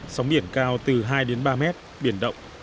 sóng biển cao từ hai ba mét biển đậu